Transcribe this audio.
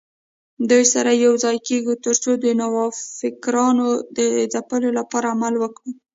دوی سره یوځای کېږي ترڅو د نوفکرانو د ځپلو لپاره عمل وکړي